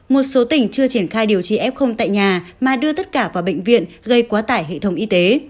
một số tỉnh chưa triển khai điều trị f tại nhà mà đưa tất cả vào bệnh viện gây quá tải hệ thống y tế